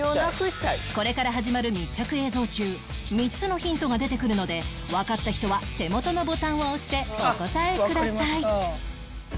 これから始まる密着映像中３つのヒントが出てくるのでわかった人は手元のボタンを押してお答えください